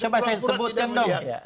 coba saya sebutkan dong